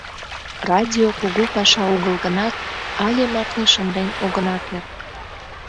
Радио кугу паша огыл гынат, але марте шынден огына керт...